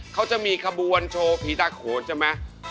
เขาจะมีขบวนโชว์ผีตาโขนใช่ไหม